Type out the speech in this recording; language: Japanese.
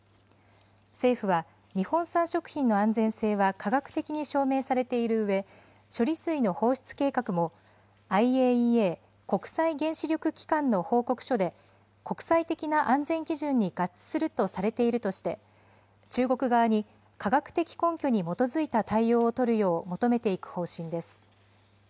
政府は、日本産食品の安全性は科学的に証明されているうえ、処理水の放出計画も、ＩＡＥＡ・国際原子力機関の報告書で、国際的な安全基準に合致するとされているとして、中国側に科学的根拠に基づいた対応を取るよう求めていく方針です。